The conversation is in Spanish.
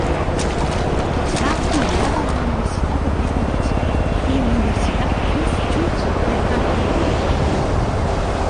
Está afiliado a la Universidad de Greenwich y Universidad Christ Church de Canterbury.